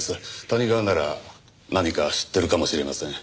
谷川なら何か知ってるかもしれません。